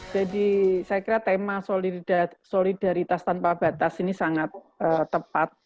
saya kira tema solidaritas tanpa batas ini sangat tepat